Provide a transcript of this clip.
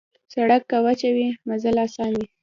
سړک که وچه وي، مزل اسان وي.